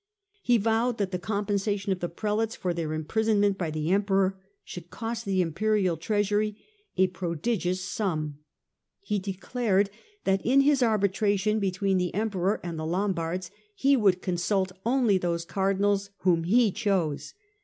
He vowed that the compensation of the Prelates for their imprisonment by the Emperor should cost the Imperial Treasury a prodigious sum. He declared that 2i6 STUPOR MUNDI in his arbitration between the Emperor and the Lom bards he would consult only those Cardinals whom he chose.